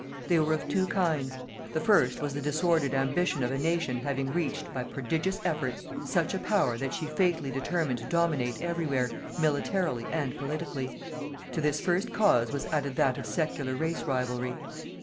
They were of two kinds. The first was the disordered ambition of a nation having reached, by prodigious efforts, such a power that she fatally determined to dominate everywhere, militarily and politically. To this first cause was added that of secular race rivalry.